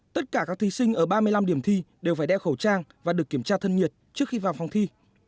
tất cả các thí sinh ở ba mươi năm điểm thi đều phải đeo khẩu trang và được kiểm tra thân nhiệt trước khi vào phòng thi